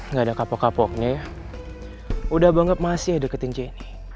nggak ada kapok kapoknya ya udah bangga masih deketin jenny